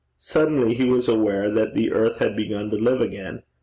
Suddenly he was aware that the earth had begun to live again.